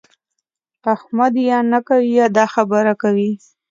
احمد یا نه کوي يا د خبره کوي.